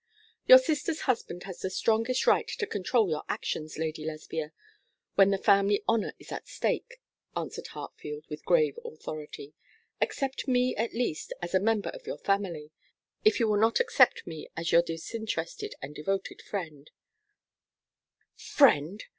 'Your sister's husband has the strongest right to control your actions, Lady Lesbia, when the family honour is at stake,' answered Hartfield, with grave authority. 'Accept me at least as a member of your family, if you will not accept me as your disinterested and devoted friend.' 'Friend!'